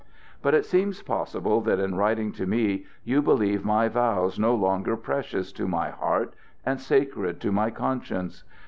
"But it seems possible that in writing to me you believe my vows no longer precious to my heart and sacred to my conscience.